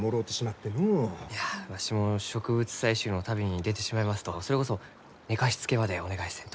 いやわしも植物採集の旅に出てしまいますとそれこそ寝かしつけまでお願いせんと。